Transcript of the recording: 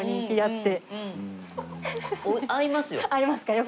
合いますよ。